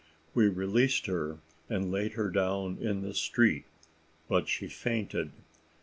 We released her, and laid her down in the street, but she fainted.